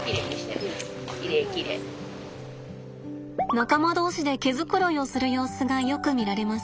仲間同士で毛繕いをする様子がよく見られます。